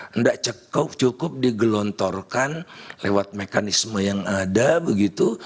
tidak cukup cukup digelontorkan lewat mekanisme yang ada begitu